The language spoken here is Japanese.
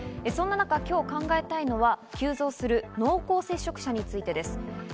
その中、今日考えたいのは急増する濃厚接触者についてです。